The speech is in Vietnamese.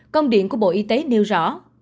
công điện của bộ y tế nêu rõ